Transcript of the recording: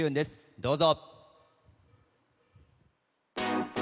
どうぞ。